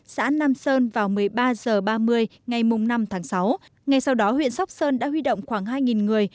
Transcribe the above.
xã nam sơn vào một mươi ba h ba mươi ngày năm tháng sáu ngay sau đó huyện sóc sơn đã huy động khoảng hai người